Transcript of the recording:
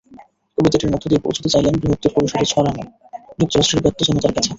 কবিতাটির মধ্য দিয়ে পৌঁছুতে চাইলেন বৃহত্তর পরিসরে ছড়ানো যুক্তরাষ্ট্রের ব্যাপ্ত জনতার কাছে।